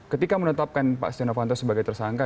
ketika menetapkan pak sionavanto sebagai tersangka